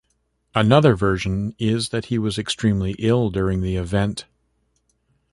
Another version is that he was extremely ill during the event.